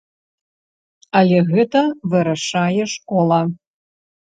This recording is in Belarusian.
Але гэта вырашае школа.